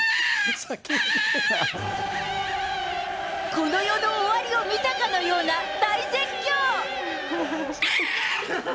この世の終わりを見たかのような大絶叫。